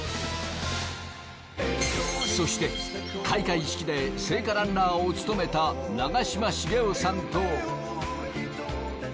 そして開会式で聖火ランナーを務めた長嶋茂雄さんと。